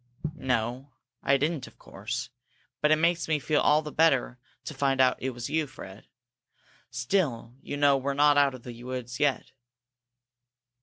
"No, I didn't, of course. But it makes me feel all the better to find out it was you, Fred. Still you know we're not out of the woods yet."